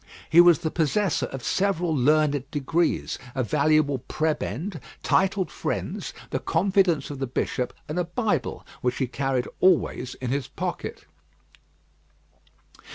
He was the possessor of several learned degrees, a valuable prebend, titled friends, the confidence of the bishop, and a Bible, which he carried always in his pocket.